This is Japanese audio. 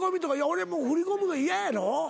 振り込むの嫌やろ？